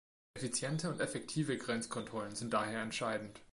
Effiziente und effektive Grenzkontrollen sind daher entscheidend.